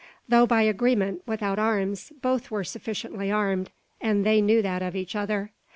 Though by agreement without arms, both were sufficiently armed, and they knew that of each other.